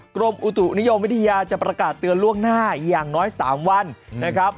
กรมอุตุนิยมวิทยาจะประกาศเตือนล่วงหน้าอย่างน้อย๓วันนะครับ